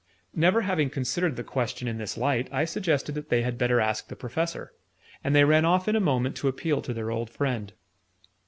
Never having considered the question in this light, I suggested that they had better ask the Professor; and they ran off in a moment to appeal to their old friend.